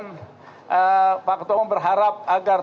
pak ketua berharap agar terus berada di bandara soekarno hatta